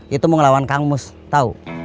itu mau ngelawan kang mus tau